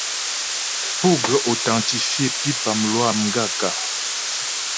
Pú ghə́ authentifier mpípá lwâ m gaə̂kə́ ?